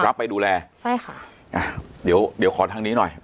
รับไปดูแลใช่ค่ะอ่าเดี๋ยวเดี๋ยวขอทางนี้หน่อย